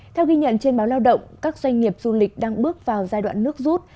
theo ghi nhận trên báo lao động các doanh nghiệp du lịch đang bước vào giai đoạn nước rút